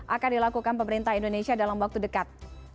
akan dilakukan pemerintah indonesia dalam waktu dekat